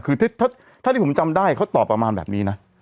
คือถ้าที่ผมจำได้เขาตอบประมาณแบบนี้นะ